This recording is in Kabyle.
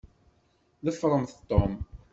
Ḍefṛemt Tom!